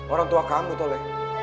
orang tua kamu tuli